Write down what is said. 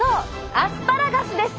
アスパラガスです！